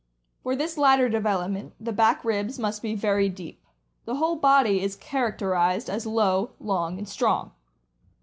For this latter development, the back ribs must be very deep. The whole body is characterized as low, long, and strong.